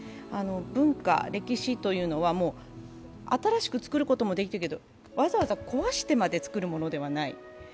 文化・歴史というのは新しく作ることもできるけどわざわざ壊してまで作るものではない。